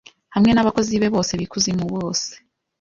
hamwe nabakozi be bose bikuzimubose